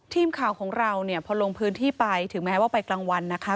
ทีมข่าวของเราเนี่ยพอลงพื้นที่ไปถึงแม้ว่าไปกลางวันนะคะ